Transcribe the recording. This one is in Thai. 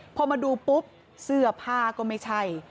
พอมาดูปุ๊บเสื้อผ้าก็ไม่ใช่